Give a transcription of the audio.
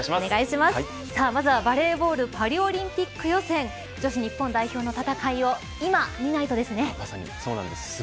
まずはバレーボールパリオリンピック予選女子日本代表の戦いをまさにそうなんです。